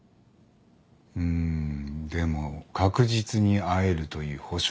うんでも確実に会えるという保証はないな。